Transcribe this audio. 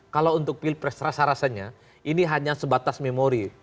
kalau untuk pilpres rasa rasanya ini hanya sebatas memori